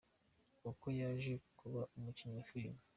Uko yaje kuba umukinnyi wa Filime.